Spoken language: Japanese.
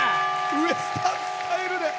ウエスタンスタイルで！